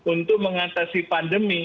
untuk mengatasi pandemi